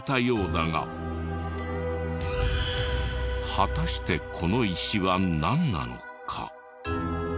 果たしてこの石はなんなのか？